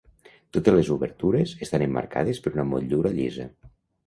Totes les obertures estan emmarcades per una motllura llisa.